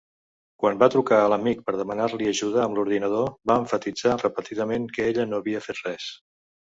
Quan va trucar a l'amic per demanar-li ajuda amb l'ordinador, va emfasitzar repetidament que ella no havia fet res.